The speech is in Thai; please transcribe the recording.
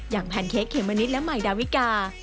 อย่างแพนเค้กเขมมะนิดและไมค์ดาวิกา